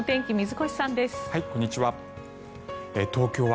こんにちは。